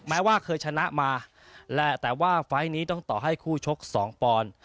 แม้ว่าเคยชนะมาและแต่ว่าไฟล์นี้ต้องต่อให้คู่ชกสองปอนด์